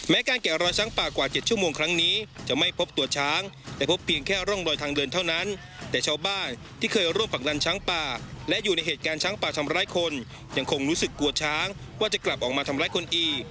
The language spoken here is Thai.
การแกะรอยช้างป่ากว่า๗ชั่วโมงครั้งนี้จะไม่พบตัวช้างแต่พบเพียงแค่ร่องรอยทางเดินเท่านั้นแต่ชาวบ้านที่เคยร่วมผลักดันช้างป่าและอยู่ในเหตุการณ์ช้างป่าทำร้ายคนยังคงรู้สึกกลัวช้างว่าจะกลับออกมาทำร้ายคนอีก